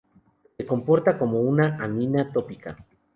Se comporta como una amina típica.